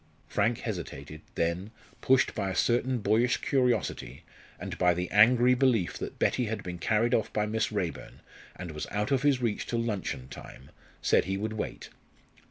Frank hesitated, then, pushed by a certain boyish curiosity, and by the angry belief that Betty had been carried off by Miss Raeburn, and was out of his reach till luncheon time, said he would wait.